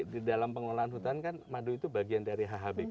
di dalam pengelolaan hutan kan madu itu bagian dari hhbk